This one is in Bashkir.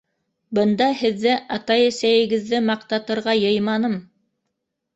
Бында һеҙҙе ата-әсәйегеҙҙе маҡтатырға йыйманым.